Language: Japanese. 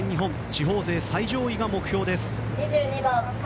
地方勢最上位が目標です。